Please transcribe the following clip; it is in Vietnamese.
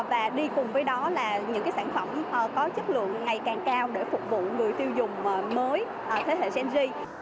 và đi cùng với đó là những sản phẩm có chất lượng ngày càng cao để phục vụ người tiêu dùng mới thế hệ gen